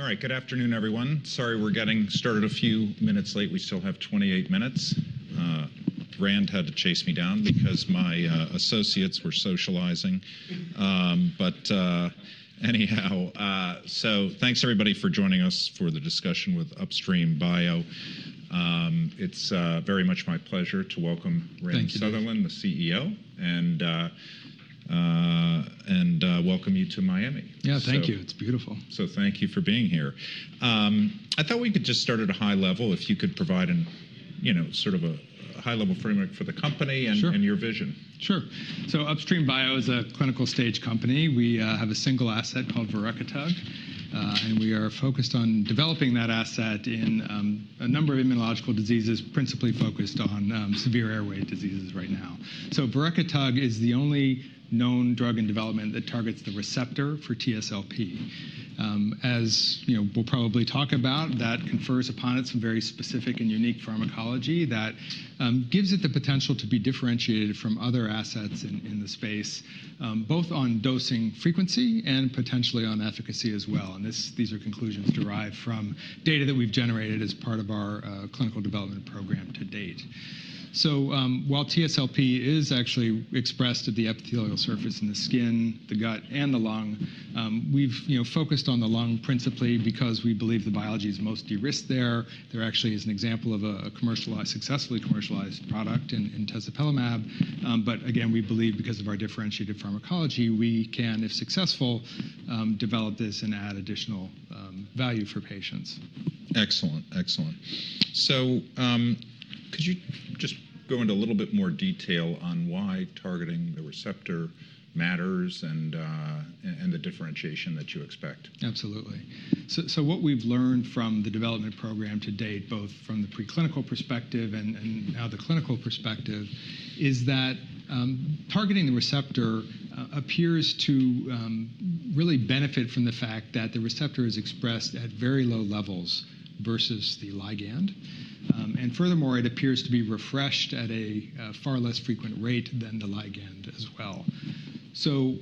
All right, good afternoon, everyone. Sorry we're getting started a few minutes late, we still have 28 minutes. Rand had to chase me down because my associates were socializing. Anyhow, so thanks everybody for joining us for the discussion with Upstream Bio. It's very much my pleasure to welcome Rand Sutherland, the CEO, and welcome you to Miami. Yeah, thank you. It's beautiful. Thank you for being here. I thought we could just start at a high level if you could provide an, you know, sort of a high-level framework for the company and your vision. Sure. Upstream Bio is a clinical-stage company. We have a single asset called verekitug, and we are focused on developing that asset in a number of immunological diseases, principally focused on severe airway diseases right now. Verekitug is the only known drug in development that targets the receptor for TSLP. As you know, we'll probably talk about, that confers upon it some very specific and unique pharmacology that gives it the potential to be differentiated from other assets in the space, both on dosing frequency and potentially on efficacy as well. These are conclusions derived from data that we've generated as part of our clinical development program to date. While TSLP is actually expressed at the epithelial surface in the skin, the gut, and the lung, we've, you know, focused on the lung principally because we believe the biology is most de-risked there. There actually is an example of a commercialized, successfully commercialized product in Tezspire. Again, we believe because of our differentiated pharmacology, we can, if successful, develop this and add additional value for patients. Excellent, excellent. Could you just go into a little bit more detail on why targeting the receptor matters and the differentiation that you expect? Absolutely. What we've learned from the development program to date, both from the preclinical perspective and now the clinical perspective, is that targeting the receptor appears to really benefit from the fact that the receptor is expressed at very low levels versus the ligand. Furthermore, it appears to be refreshed at a far less frequent rate than the ligand as well.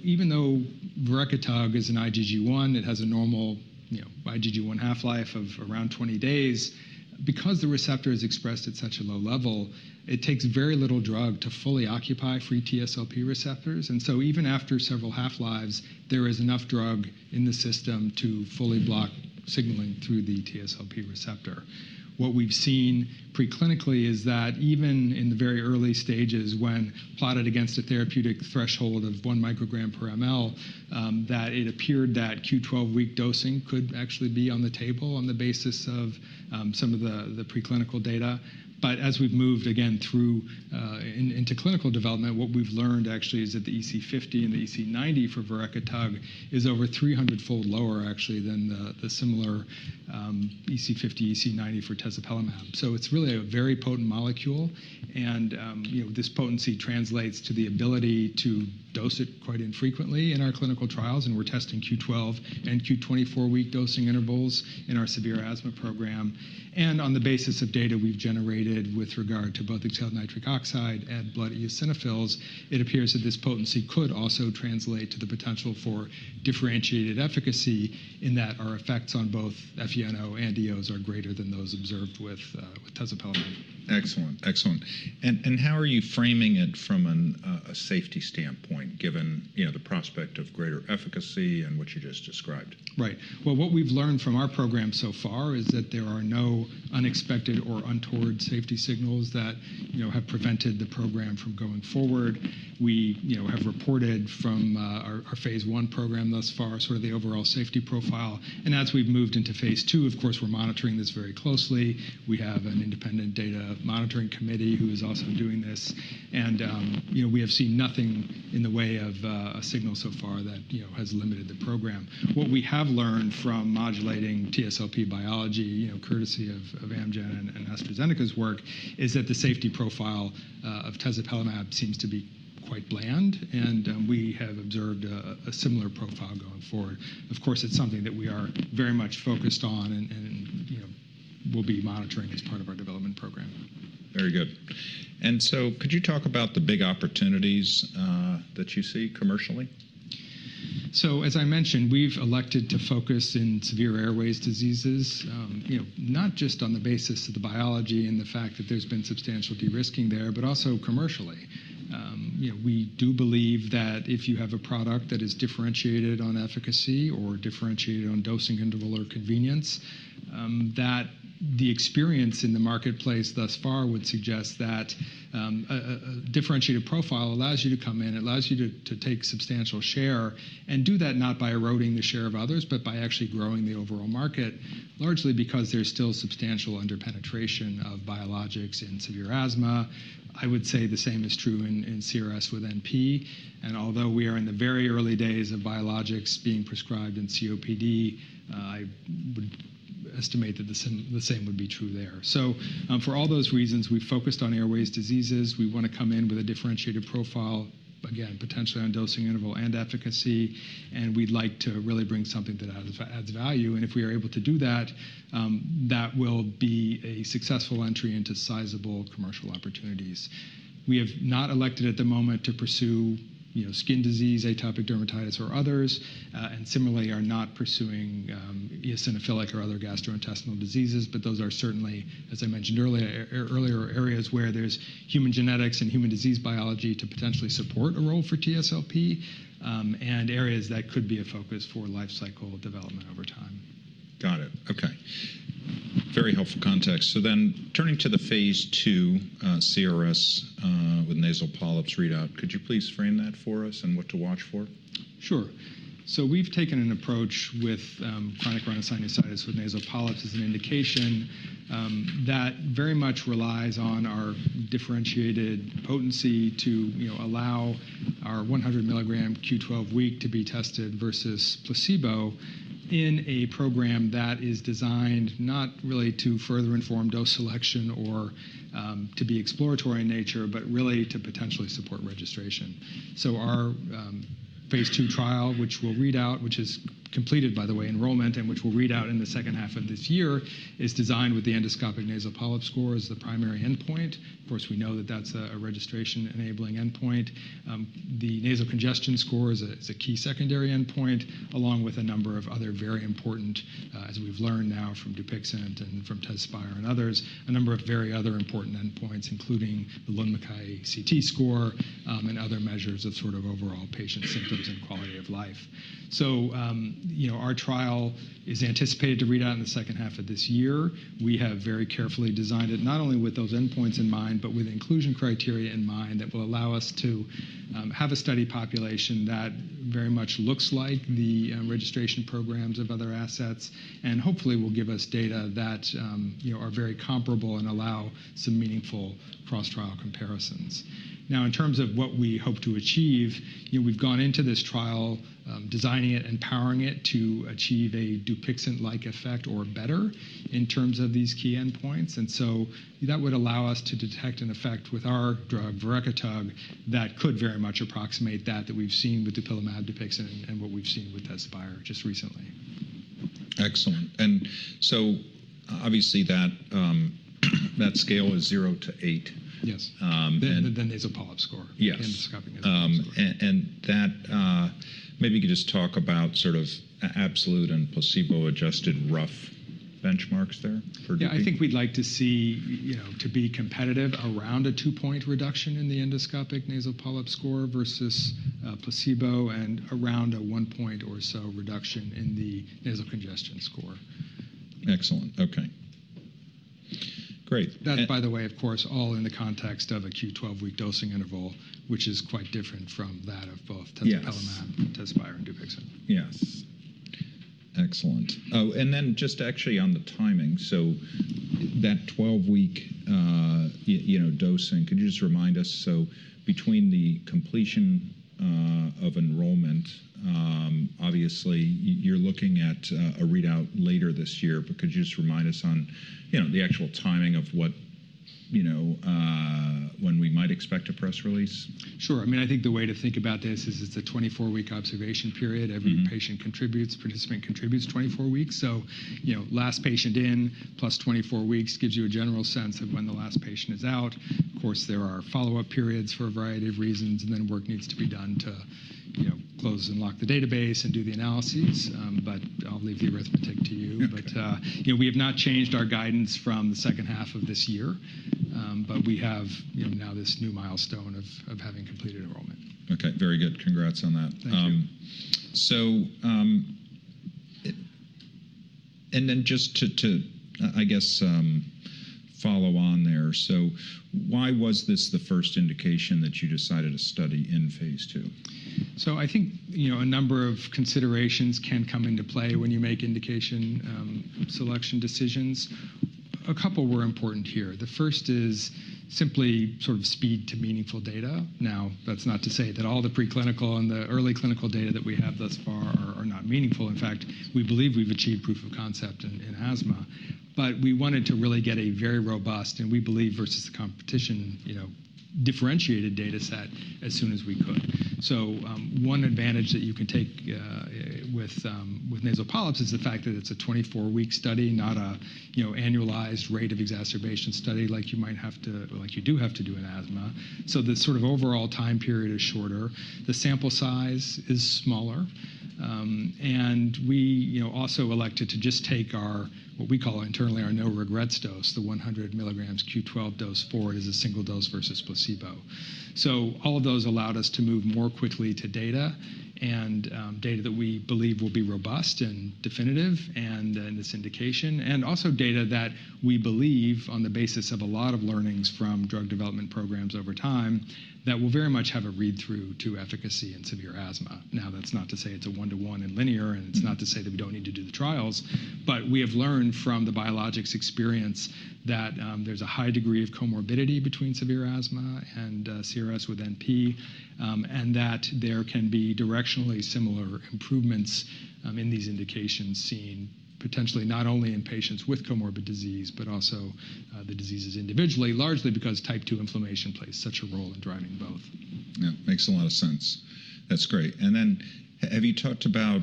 Even though verekitug is an IgG1, it has a normal, you know, IgG1 half-life of around 20 days, because the receptor is expressed at such a low level, it takes very little drug to fully occupy free TSLP receptors. Even after several half-lives, there is enough drug in the system to fully block signaling through the TSLP receptor. What we've seen preclinically is that even in the very early stages, when plotted against a therapeutic threshold of 1 microgram per ml, it appeared that Q12 week dosing could actually be on the table on the basis of some of the preclinical data. As we've moved again through, into clinical development, what we've learned actually is that the EC50 and the EC90 for verekitug is over 300-fold lower actually than the similar EC50, EC90 for Tezspire. It's really a very potent molecule, and, you know, this potency translates to the ability to dose it quite infrequently in our clinical trials, and we're testing Q12 and Q24 week dosing intervals in our severe asthma program. On the basis of data we've generated with regard to both fractional exhaled nitric oxide and blood eosinophils, it appears that this potency could also translate to the potential for differentiated efficacy in that our effects on both FeNO and Eos are greater than those observed with Tezspire. Excellent, excellent. And how are you framing it from a safety standpoint given, you know, the prospect of greater efficacy and what you just described? Right. What we've learned from our program so far is that there are no unexpected or untoward safety signals that, you know, have prevented the program from going forward. We, you know, have reported from our Phase I program thus far, sort of the overall safety profile. As we've moved into Phase II, of course, we're monitoring this very closely. We have an independent data monitoring committee who is also doing this. You know, we have seen nothing in the way of a signal so far that, you know, has limited the program. What we have learned from modulating TSLP biology, you know, courtesy of Amgen and AstraZeneca's work, is that the safety profile of Tezspire seems to be quite bland, and we have observed a similar profile going forward. Of course, it's something that we are very much focused on and, you know, we'll be monitoring as part of our development program. Very good. Could you talk about the big opportunities that you see commercially? As I mentioned, we've elected to focus in severe airways diseases, you know, not just on the basis of the biology and the fact that there's been substantial de-risking there, but also commercially. You know, we do believe that if you have a product that is differentiated on efficacy or differentiated on dosing interval or convenience, that the experience in the marketplace thus far would suggest that a differentiated profile allows you to come in, it allows you to take substantial share, and do that not by eroding the share of others, but by actually growing the overall market, largely because there's still substantial under-penetration of biologics in severe asthma. I would say the same is true in CRS with NP, and although we are in the very early days of biologics being prescribed in COPD, I would estimate that the same would be true there. For all those reasons, we've focused on airways diseases. We want to come in with a differentiated profile, again, potentially on dosing interval and efficacy, and we'd like to really bring something that adds value. If we are able to do that, that will be a successful entry into sizable commercial opportunities. We have not elected at the moment to pursue, you know, skin disease, atopic dermatitis, or others, and similarly are not pursuing eosinophilic or other gastrointestinal diseases, but those are certainly, as I mentioned earlier, earlier areas where there's human genetics and human disease biology to potentially support a role for TSLP, and areas that could be a focus for life cycle development over time. Got it. Okay. Very helpful context. Turning to the Phase II CRS with nasal polyps readout, could you please frame that for us and what to watch for? Sure. We've taken an approach with chronic rhinosinusitis with nasal polyps as an indication that very much relies on our differentiated potency to, you know, allow our 100 milligram Q12 week to be tested versus placebo in a program that is designed not really to further inform dose selection or to be exploratory in nature, but really to potentially support registration. Our Phase II trial, which we'll read out, which is completed, by the way, enrollment, and which we'll read out in the second half of this year, is designed with the endoscopic nasal polyp score as the primary endpoint. Of course, we know that that's a registration-enabling endpoint. The nasal congestion score is a, is a key secondary endpoint, along with a number of other very important, as we've learned now from Dupixent and from Tezspire and others, a number of very other important endpoints, including the Lund-Mackay CT score, and other measures of sort of overall patient symptoms and quality of life. You know, our trial is anticipated to read out in the second half of this year. We have very carefully designed it, not only with those endpoints in mind, but with inclusion criteria in mind that will allow us to have a study population that very much looks like the registration programs of other assets, and hopefully will give us data that, you know, are very comparable and allow some meaningful cross-trial comparisons. Now, in terms of what we hope to achieve, you know, we've gone into this trial, designing it, empowering it to achieve a Dupixent-like effect or better in terms of these key endpoints. That would allow us to detect an effect with our drug, verekitug, that could very much approximate that that we've seen with Dupixent, and what we've seen with Tezspire just recently. Excellent. Obviously, that scale is zero to eight. Yes. Than nasal polyp score. Yes. Endoscopic score. and that, maybe you could just talk about sort of absolute and placebo-adjusted rough benchmarks there for Dupixent. Yeah, I think we'd like to see, you know, to be competitive around a two-point reduction in the endoscopic nasal polyp score versus placebo and around a one-point or so reduction in the nasal congestion score. Excellent. Okay. Great. That's, by the way, of course, all in the context of a Q12 week dosing interval, which is quite different from that of both Tezspire. Yes. Tezspire and Dupixent. Yes. Excellent. Oh, and then just actually on the timing, that 12-week, you know, dosing, could you just remind us, so between the completion of enrollment, obviously you're looking at a readout later this year, but could you just remind us on, you know, the actual timing of what, you know, when we might expect a press release? Sure. I mean, I think the way to think about this is it's a 24-week observation period. Every patient contributes, participant contributes 24 weeks. You know, last patient in plus 24 weeks gives you a general sense of when the last patient is out. Of course, there are follow-up periods for a variety of reasons, and then work needs to be done to, you know, close and lock the database and do the analyses. I'll leave the arithmetic to you. You know, we have not changed our guidance from the second half of this year, but we have, you know, now this new milestone of having completed enrollment. Okay. Very good. Congrats on that. Thank you. And then just to, I guess, follow on there. Why was this the first indication that you decided to study in Phase II? I think, you know, a number of considerations can come into play when you make indication selection decisions. A couple were important here. The first is simply sort of speed to meaningful data. Now, that's not to say that all the preclinical and the early clinical data that we have thus far are not meaningful. In fact, we believe we've achieved proof of concept in asthma. We wanted to really get a very robust, and we believe versus the competition, you know, differentiated data set as soon as we could. One advantage that you can take with nasal polyps is the fact that it's a 24-week study, not a, you know, annualized rate of exacerbation study like you might have to, like you do have to do in asthma. The sort of overall time period is shorter, the sample size is smaller, and we, you know, also elected to just take our, what we call internally our no-regrets dose, the 100 milligrams Q12 dose for it is a single dose versus placebo. All of those allowed us to move more quickly to data, data that we believe will be robust and definitive in this indication, and also data that we believe on the basis of a lot of learnings from drug development programs over time that will very much have a read-through to efficacy in severe asthma. Now, that's not to say it's a one-to-one and linear, and it's not to say that we don't need to do the trials, but we have learned from the biologics experience that there's a high degree of comorbidity between severe asthma and CRS with NP, and that there can be directionally similar improvements in these indications seen potentially not only in patients with comorbid disease, but also the diseases individually, largely because Type 2 inflammation plays such a role in driving both. Yeah. Makes a lot of sense. That's great. Have you talked about,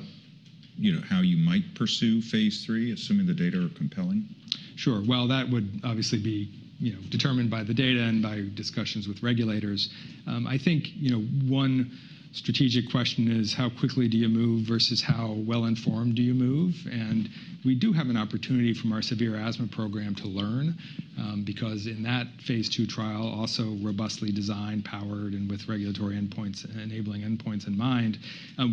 you know, how you might pursue Phase III, assuming the data are compelling? Sure. That would obviously be, you know, determined by the data and by discussions with regulators. I think, you know, one strategic question is how quickly do you move versus how well-informed do you move? We do have an opportunity from our severe asthma program to learn, because in that Phase II trial, also robustly designed, powered, and with regulatory endpoints, enabling endpoints in mind,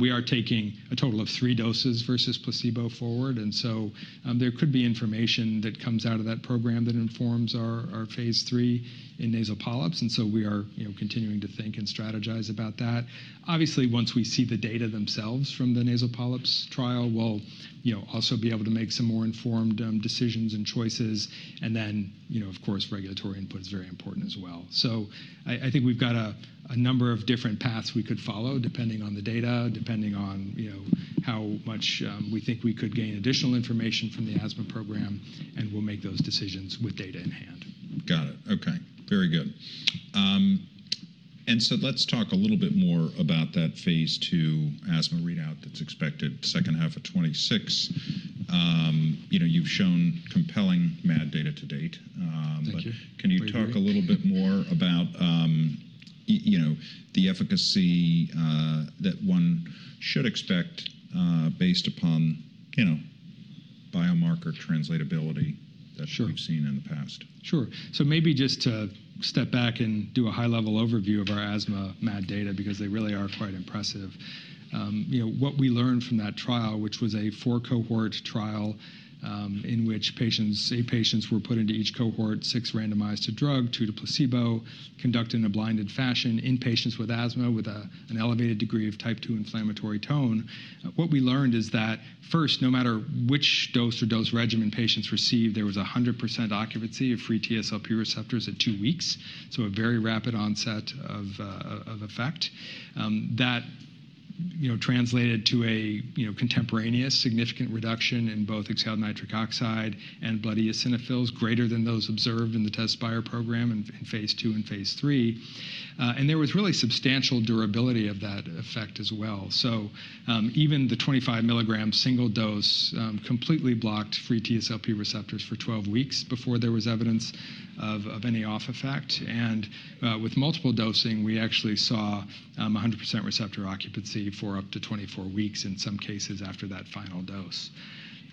we are taking a total of three doses versus placebo forward. There could be information that comes out of that program that informs our Phase III in nasal polyps. We are, you know, continuing to think and strategize about that. Obviously, once we see the data themselves from the nasal polyps trial, we'll, you know, also be able to make some more informed decisions and choices. You know, of course, regulatory input is very important as well. I think we've got a number of different paths we could follow depending on the data, depending on, you know, how much we think we could gain additional information from the asthma program, and we'll make those decisions with data in hand. Got it. Okay. Very good. And so let's talk a little bit more about that Phase II asthma readout that's expected second half of 2026. You know, you've shown compelling MAD data to date. But can you talk a little bit more about, you know, the efficacy, that one should expect, based upon, you know, biomarker translatability that we've seen in the past? Sure. Maybe just to step back and do a high-level overview of our asthma MAD data, because they really are quite impressive. You know, what we learned from that trial, which was a four-cohort trial in which patients, eight patients were put into each cohort, six randomized to drug, two to placebo, conducted in a blinded fashion in patients with asthma with an elevated degree of Type 2 inflammatory tone. What we learned is that first, no matter which dose or dose regimen patients received, there was a 100% occupancy of free TSLP receptors at two weeks. A very rapid onset of effect. That, you know, translated to a, you know, contemporaneous significant reduction in both fractional exhaled nitric oxide and blood eosinophils greater than those observed in the Tezspire program in Phase II and Phase III. There was really substantial durability of that effect as well. Even the 25 milligram single dose completely blocked free TSLP receptors for 12 weeks before there was evidence of any off effect. With multiple dosing, we actually saw 100% receptor occupancy for up to 24 weeks in some cases after that final dose.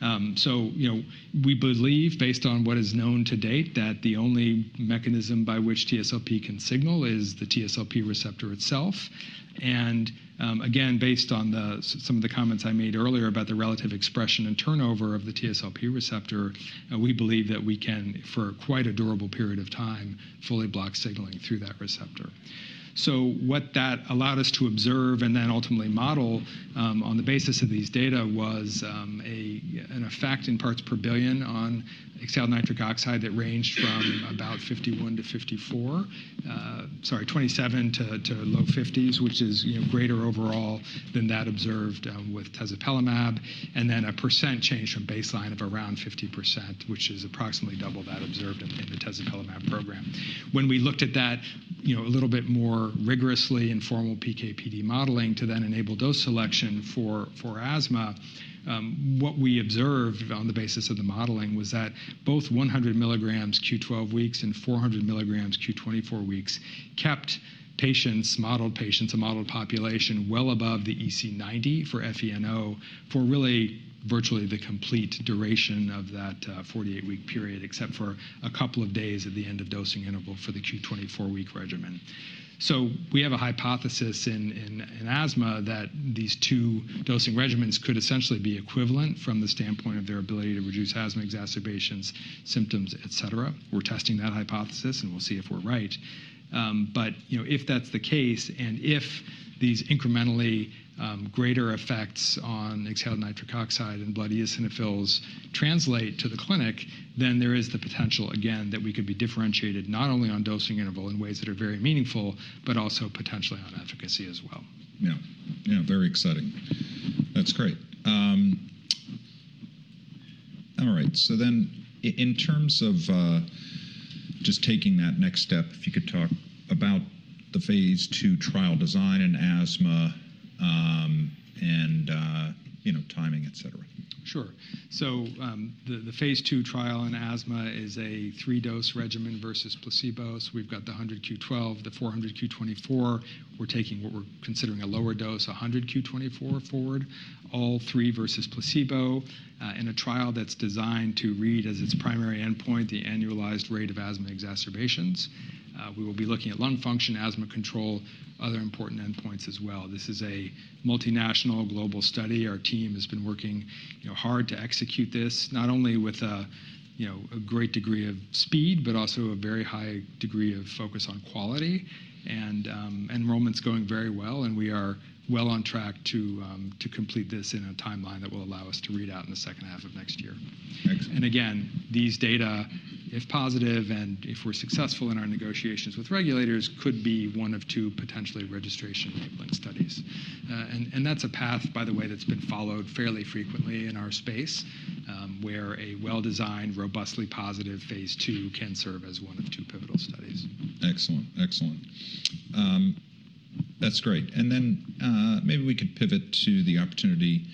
You know, we believe, based on what is known to date, that the only mechanism by which TSLP can signal is the TSLP receptor itself. Again, based on some of the comments I made earlier about the relative expression and turnover of the TSLP receptor, we believe that we can, for quite a durable period of time, fully block signaling through that receptor. What that allowed us to observe and then ultimately model, on the basis of these data, was an effect in parts per billion on fractional exhaled nitric oxide that ranged from about 27 to low fifties, which is, you know, greater overall than that observed with Tezspire, and then a % change from baseline of around 50%, which is approximately double that observed in the Tezspire program. When we looked at that, you know, a little bit more rigorously in formal PK/PD modeling to then enable dose selection for, for asthma, what we observed on the basis of the modeling was that both 100 milligrams Q12 weeks and 400 milligrams Q24 weeks kept patients, modeled patients, a modeled population well above the EC90 for FeNO for really virtually the complete duration of that, 48-week period, except for a couple of days at the end of dosing interval for the Q24 week regimen. We have a hypothesis in, in, in asthma that these two dosing regimens could essentially be equivalent from the standpoint of their ability to reduce asthma exacerbations, symptoms, et cetera. We're testing that hypothesis, and we'll see if we're right. You know, if that's the case, and if these incrementally greater effects on fractional exhaled nitric oxide and blood eosinophils translate to the clinic, then there is the potential, again, that we could be differentiated not only on dosing interval in ways that are very meaningful, but also potentially on efficacy as well. Yeah. Yeah. Very exciting. That's great. All right. In terms of just taking that next step, if you could talk about the Phase II trial design in asthma, and, you know, timing, et cetera. Sure. The Phase II trial in asthma is a three-dose regimen versus placebo. We've got the 100 Q12, the 400 Q24. We're taking what we're considering a lower dose, 100 Q24 forward, all three versus placebo, in a trial that's designed to read as its primary endpoint, the annualized rate of asthma exacerbations. We will be looking at lung function, asthma control, other important endpoints as well. This is a multinational global study. Our team has been working, you know, hard to execute this, not only with a, you know, a great degree of speed, but also a very high degree of focus on quality. Enrollment's going very well, and we are well on track to complete this in a timeline that will allow us to read out in the second half of next year. Excellent. These data, if positive and if we're successful in our negotiations with regulators, could be one of two potentially registration enabling studies. That's a path, by the way, that's been followed fairly frequently in our space, where a well-designed, robustly positive Phase II can serve as one of two pivotal studies. Excellent. Excellent. That's great. Maybe we could pivot to the opportunity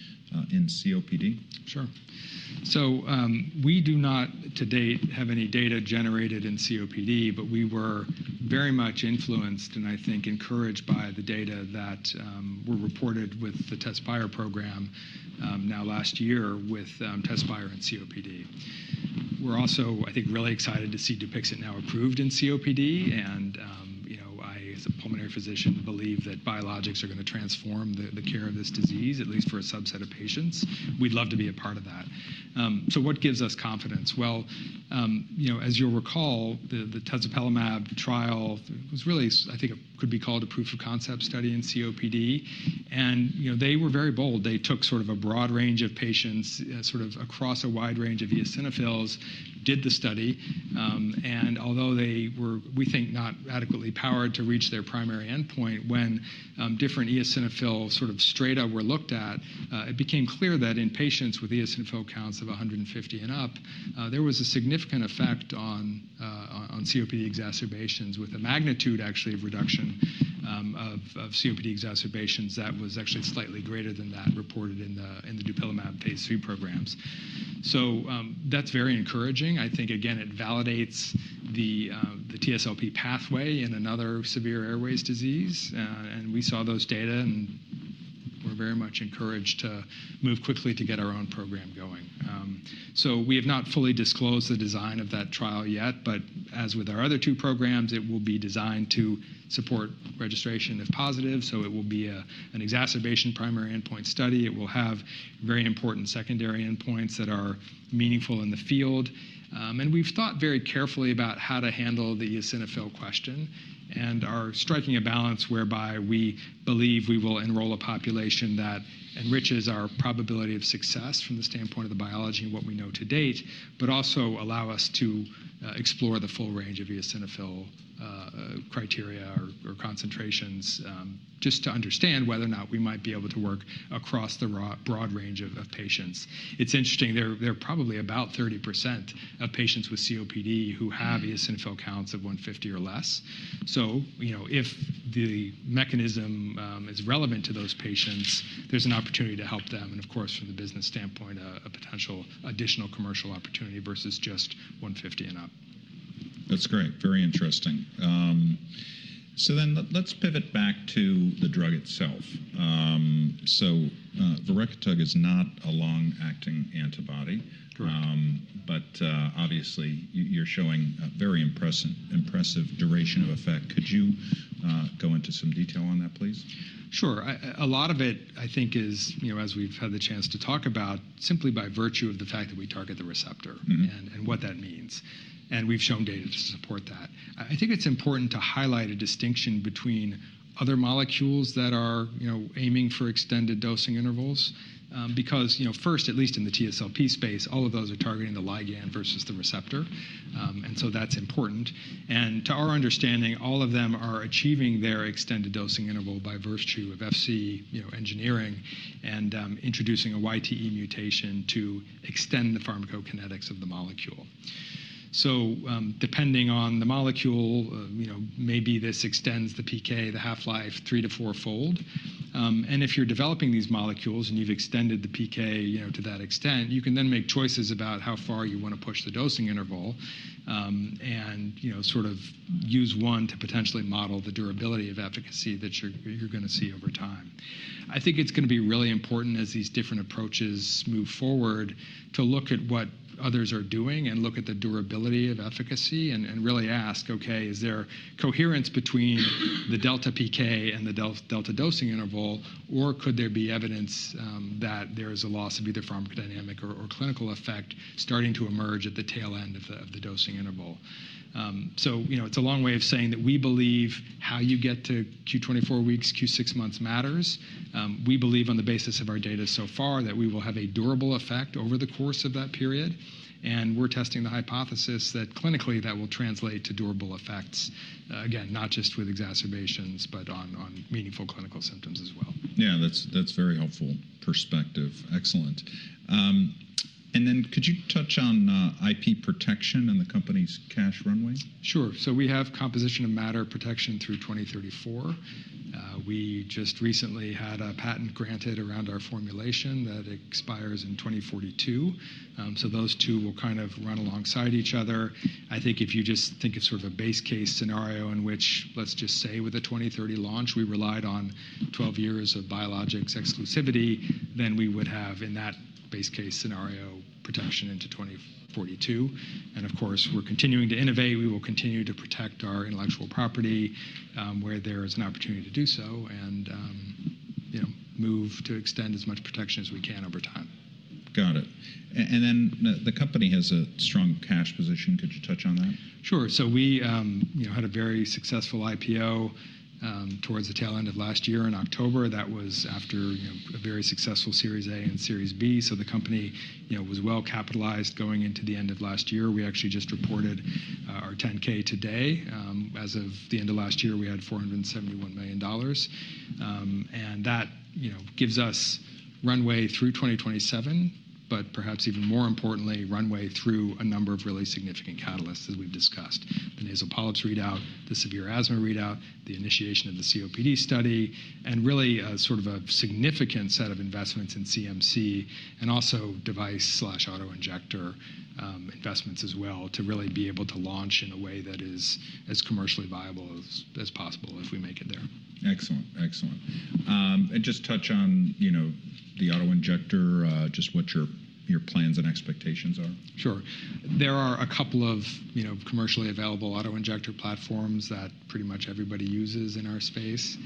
in COPD. Sure. We do not to date have any data generated in COPD, but we were very much influenced and I think encouraged by the data that were reported with the Tezspire program, now last year with Tezspire and COPD. We're also, I think, really excited to see Dupixent now approved in COPD. And, you know, I, as a pulmonary physician, believe that biologics are gonna transform the care of this disease, at least for a subset of patients. We'd love to be a part of that. What gives us confidence? You know, as you'll recall, the tezepelumab trial was really, I think it could be called a proof of concept study in COPD. They were very bold. They took sort of a broad range of patients, sort of across a wide range of eosinophils, did the study. And although they were, we think, not adequately powered to reach their primary endpoint, when different eosinophil sort of strata were looked at, it became clear that in patients with eosinophil counts of 150 and up, there was a significant effect on COPD exacerbations with a magnitude actually of reduction of COPD exacerbations that was actually slightly greater than that reported in the Dupixent Phase III programs. That is very encouraging. I think, again, it validates the TSLP pathway in another severe airways disease. We saw those data and were very much encouraged to move quickly to get our own program going. We have not fully disclosed the design of that trial yet, but as with our other two programs, it will be designed to support registration if positive. It will be an exacerbation primary endpoint study. It will have very important secondary endpoints that are meaningful in the field. We've thought very carefully about how to handle the eosinophil question and are striking a balance whereby we believe we will enroll a population that enriches our probability of success from the standpoint of the biology and what we know to date, but also allow us to explore the full range of eosinophil criteria or concentrations, just to understand whether or not we might be able to work across the broad, broad range of patients. It's interesting, there are probably about 30% of patients with COPD who have eosinophil counts of 150 or less. You know, if the mechanism is relevant to those patients, there's an opportunity to help them. Of course, from the business standpoint, a potential additional commercial opportunity versus just 150 and up. That's great. Very interesting. So then let's pivot back to the drug itself. So, verekitug is not a long-acting antibody. Correct. Obviously, you, you're showing a very impressive, impressive duration of effect. Could you go into some detail on that, please? Sure. I, a lot of it, I think, is, you know, as we've had the chance to talk about, simply by virtue of the fact that we target the receptor and, and what that means. And we've shown data to support that. I, I think it's important to highlight a distinction between other molecules that are, you know, aiming for extended dosing intervals, because, you know, first, at least in the TSLP space, all of those are targeting the ligand versus the receptor. and so that's important. And to our understanding, all of them are achieving their extended dosing interval by virtue of FC, you know, engineering and, introducing a YTE mutation to extend the pharmacokinetics of the molecule. So, depending on the molecule, you know, maybe this extends the PK, the half-life, three to four-fold. And if you're developing these molecules and you've extended the PK, you know, to that extent, you can then make choices about how far you wanna push the dosing interval, and, you know, sort of use one to potentially model the durability of efficacy that you're, you're gonna see over time. I think it's gonna be really important as these different approaches move forward to look at what others are doing and look at the durability of efficacy and, and really ask, okay, is there coherence between the delta PK and the delta dosing interval, or could there be evidence that there is a loss of either pharmacodynamic or, or clinical effect starting to emerge at the tail end of the, of the dosing interval? You know, it's a long way of saying that we believe how you get to Q24 weeks, Q6 months matters. We believe on the basis of our data so far that we will have a durable effect over the course of that period. We are testing the hypothesis that clinically that will translate to durable effects, again, not just with exacerbations, but on meaningful clinical symptoms as well. Yeah, that's very helpful perspective. Excellent. And then could you touch on IP protection and the company's cash runway? Sure. We have composition of matter protection through 2034. We just recently had a patent granted around our formulation that expires in 2042. Those two will kind of run alongside each other. I think if you just think of sort of a base case scenario in which, let's just say with a 2030 launch, we relied on 12 years of biologics exclusivity, then we would have in that base case scenario protection into 2042. Of course, we're continuing to innovate. We will continue to protect our intellectual property, where there is an opportunity to do so and, you know, move to extend as much protection as we can over time. Got it. The company has a strong cash position. Could you touch on that? Sure. We, you know, had a very successful IPO towards the tail end of last year in October. That was after, you know, a very successful Series A and Series B. The company, you know, was well capitalized going into the end of last year. We actually just reported our 10-K today. As of the end of last year, we had $471 million. That, you know, gives us runway through 2027, but perhaps even more importantly, runway through a number of really significant catalysts as we've discussed: the nasal polyps readout, the severe asthma readout, the initiation of the COPD study, and really a sort of a significant set of investments in CMC and also device/autoinjector investments as well to really be able to launch in a way that is as commercially viable as possible if we make it there. Excellent. Excellent. And just touch on, you know, the autoinjector, just what your plans and expectations are. Sure. There are a couple of, you know, commercially available autoinjector platforms that pretty much everybody uses in our space.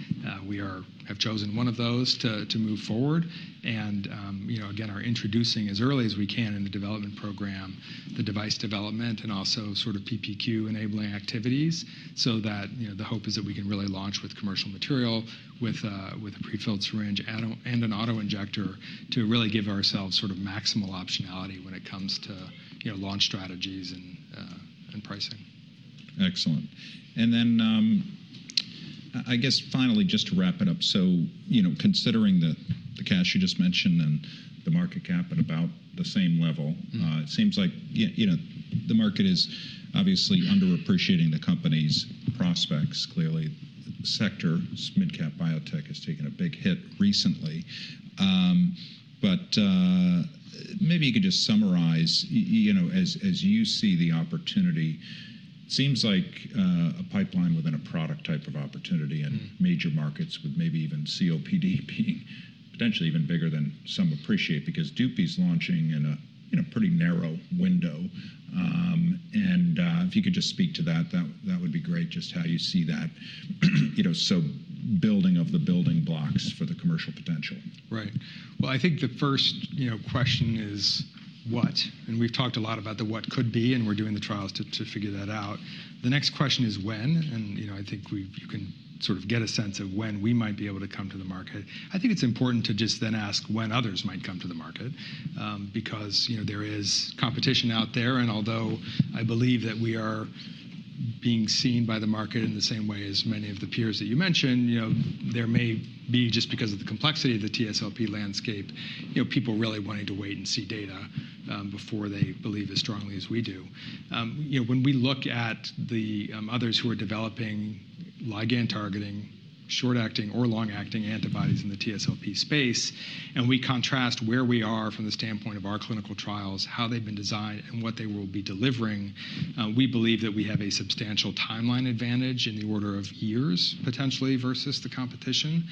We have chosen one of those to move forward. You know, again, are introducing as early as we can in the development program, the device development and also sort of PPQ enabling activities so that, you know, the hope is that we can really launch with commercial material with a prefilled syringe and an autoinjector to really give ourselves sort of maximal optionality when it comes to, you know, launch strategies and pricing. Excellent. I guess finally, just to wrap it up, you know, considering the cash you just mentioned and the market cap at about the same level, it seems like, you know, the market is obviously underappreciating the company's prospects. Clearly, the sector, mid-cap biotech has taken a big hit recently. Maybe you could just summarize, you know, as you see the opportunity, it seems like a pipeline within a product type of opportunity and major markets with maybe even COPD being potentially even bigger than some appreciate because Dupi's launching in a pretty narrow window. If you could just speak to that, that would be great, just how you see that, you know, so building of the building blocks for the commercial potential. Right. I think the first, you know, question is what, and we've talked a lot about the what could be, and we're doing the trials to figure that out. The next question is when, and, you know, I think we, you can sort of get a sense of when we might be able to come to the market. I think it's important to just then ask when others might come to the market, because, you know, there is competition out there. Although I believe that we are being seen by the market in the same way as many of the peers that you mentioned, you know, there may be, just because of the complexity of the TSLP landscape, you know, people really wanting to wait and see data, before they believe as strongly as we do. You know, when we look at the others who are developing ligand-targeting, short-acting or long-acting antibodies in the TSLP space, and we contrast where we are from the standpoint of our clinical trials, how they've been designed, and what they will be delivering, we believe that we have a substantial timeline advantage in the order of years potentially versus the competition.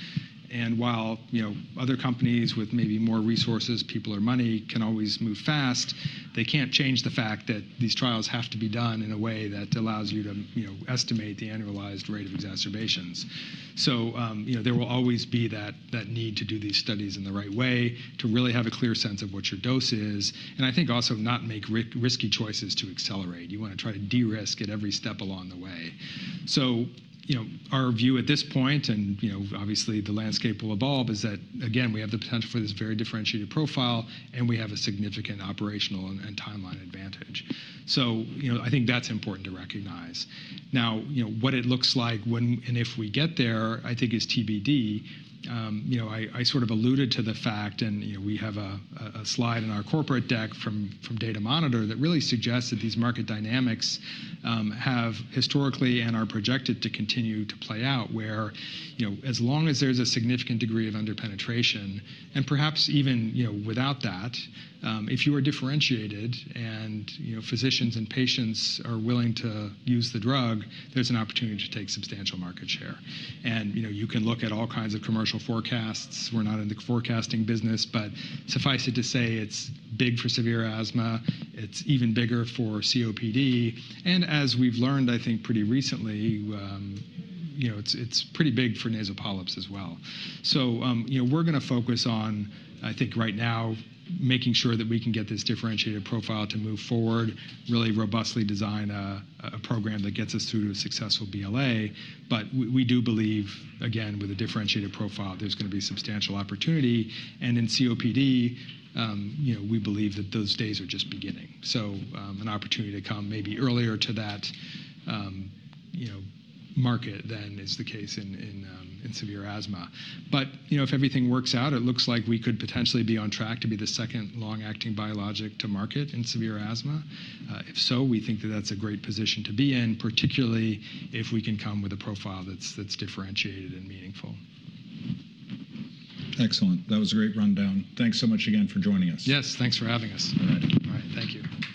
While, you know, other companies with maybe more resources, people, or money can always move fast, they can't change the fact that these trials have to be done in a way that allows you to, you know, estimate the annualized rate of exacerbations. You know, there will always be that need to do these studies in the right way to really have a clear sense of what your dose is. I think also not make risky choices to accelerate. You wanna try to de-risk at every step along the way. You know, our view at this point, and, you know, obviously the landscape will evolve, is that again, we have the potential for this very differentiated profile and we have a significant operational and, and timeline advantage. You know, I think that's important to recognize. Now, you know, what it looks like when, and if we get there, I think is TBD. You know, I sort of alluded to the fact, and, you know, we have a slide in our corporate deck from Datamonitor that really suggests that these market dynamics have historically and are projected to continue to play out where, you know, as long as there's a significant degree of under penetration and perhaps even, you know, without that, if you are differentiated and, you know, physicians and patients are willing to use the drug, there's an opportunity to take substantial market share. You know, you can look at all kinds of commercial forecasts. We're not in the forecasting business, but suffice it to say it's big for severe asthma. It's even bigger for COPD. As we've learned, I think pretty recently, you know, it's pretty big for nasal polyps as well. You know, we're gonna focus on, I think right now, making sure that we can get this differentiated profile to move forward, really robustly design a program that gets us through to a successful BLA. We do believe, again, with a differentiated profile, there's gonna be substantial opportunity. In COPD, you know, we believe that those days are just beginning. An opportunity to come maybe earlier to that market than is the case in severe asthma. You know, if everything works out, it looks like we could potentially be on track to be the second long-acting biologic to market in severe asthma. If so, we think that that's a great position to be in, particularly if we can come with a profile that's differentiated and meaningful. Excellent. That was a great rundown. Thanks so much again for joining us. Yes, thanks for having us. All right. All right. Thank you.